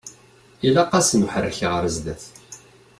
Ilaq-asen uḥerrek ar zdat.